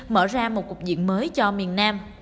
mở ra một cuộc diện mới cho miền nam